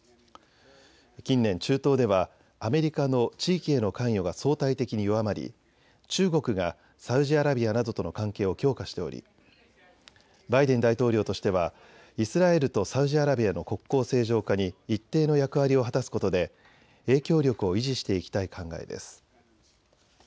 近年、中東ではアメリカの地域への関与が相対的に弱まり中国がサウジアラビアなどとの関係を強化しておりバイデン大統領としてはイスラエルとサウジアラビアの国交正常化に一定の役割を果たすことで影響力を維持していきたい考えです。